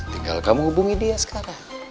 tinggal kamu hubungi dia sekarang